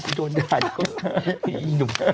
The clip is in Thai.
พี่หนุ่ม